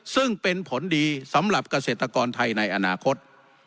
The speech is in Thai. ซึ่งเป็นผลดีสำหรับเกษตรกรไทยในอนาคต